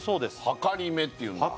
はかりめっていうんだ